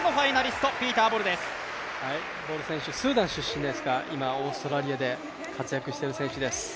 スーダン出身ですが、今、オーストラリアで活躍している選手です。